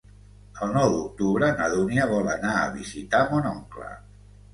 El nou d'octubre na Dúnia vol anar a visitar mon oncle.